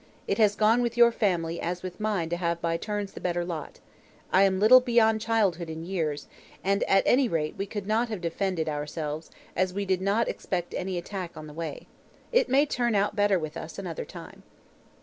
It has gone with your family as with mine to have by turns the better lot. I am little beyond childhood in years; and at any rate we could not have defended ourselves, as we did not expect any attack on the way. It may turn out better with us another time.'